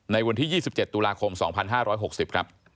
วันที่๒๗ตุลาคม๒๕๖๐ครับ